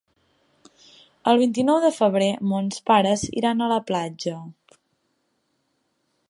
El vint-i-nou de febrer mons pares iran a la platja.